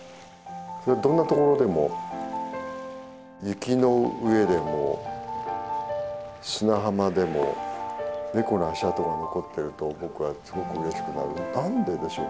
それはどんな所でも雪の上でも砂浜でもネコの足跡が残ってると僕はすごくうれしくなる何ででしょうかね？